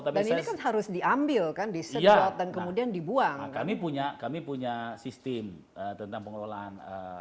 ini kan harus diambil kan disedot dan kemudian dibuang kami punya kami punya sistem tentang pengelolaan